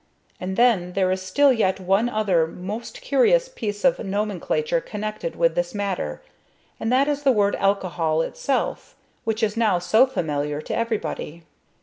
And then there is still yet one other most curious piece of nomenclature connected with this matter, and that is the word "alcohol" itself, which is now so familiar to everybody.